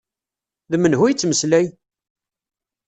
D menhu yettmeslay?